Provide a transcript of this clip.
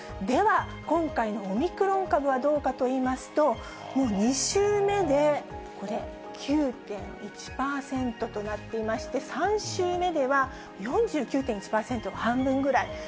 では、今回のオミクロン株はどうかといいますと、もう２週目でこれ、９．１％となっていまして、３週目では４９．１％、半分ぐらい。